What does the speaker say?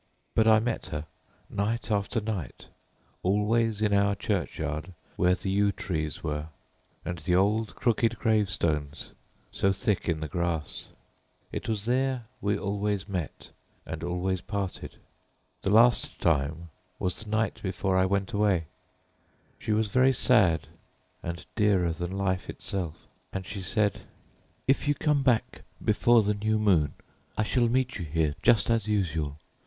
But I met her night after night, always in our churchyard where the yew trees were and the lichened gravestones. It was there we always met and always parted. The last time was the night before I went away. She was very sad, and dearer than life itself. And she said— "'If you come back before the new moon I shall meet you here just as usual.